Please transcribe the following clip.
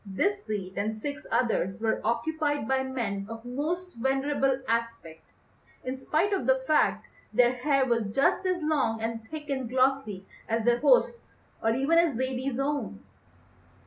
This seat and six others were occupied by men of most venerable aspect, in spite of the fact their hair was just as long and thick and glossy as their host's or even as Zaidie's own.